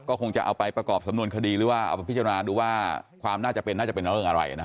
ก็คงจะเอาไปประกอบสำนวนคดีหรือว่าประพิจารณาดูว่าความน่าจะเป็นอย่างอะไร